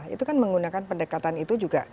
itu kan menggunakan pendekatan itu juga